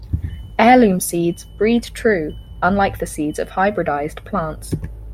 Heirloom seeds "breed true," unlike the seeds of hybridized plants.